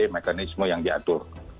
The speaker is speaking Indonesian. mekanisme yang diatur